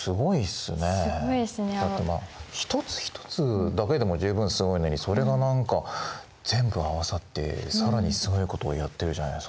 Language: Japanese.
だって一つひとつだけでも十分すごいのにそれが何か全部合わさって更にすごいことをやってるじゃないですか。